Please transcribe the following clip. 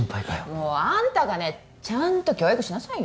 もうあんたがねちゃんと教育しなさいよ